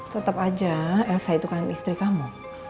tetap aja elsa itu kan istri kamu